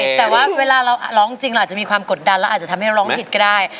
ไม่แต่ว่าเวลาร้องจริงอ่ะจะมีความกดดันแล้วอาจจะทำให้ร้องผิดก็ได้